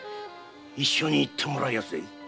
一緒に行ってもらいますぜ。